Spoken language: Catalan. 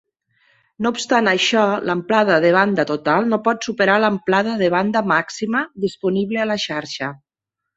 No obstant això, l'amplada de banda total no pot superar l'amplada de banda màxima disponible a la xarxa.